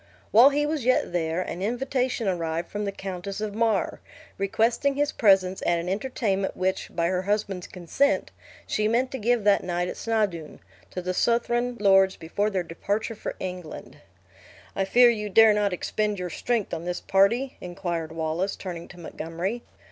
While he was yet there, an invitation arrived from the Countess of Mar, requesting his presence at an entertainment which, by her husband's consent, she meant to give that night at Snawdoun, to the Southron lords before their departure for England. "I fear you dare not expend your strength on this party?" inquired Wallace, turning to Montgomery.